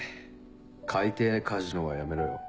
海底カジノはやめろよ。